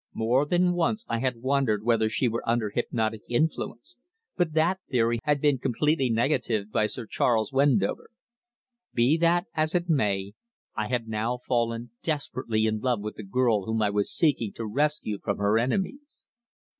More than once I had wondered whether she were under hypnotic influence, but that theory had been completely negatived by Sir Charles Wendover. Be that as it may, I had now fallen desperately in love with the girl whom I was seeking to rescue from her enemies.